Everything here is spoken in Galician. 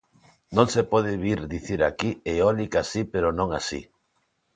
Non se pode vir dicir aquí eólica si pero non así.